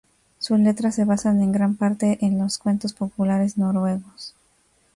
Sus letras se basan en gran parte en los cuentos populares noruegos.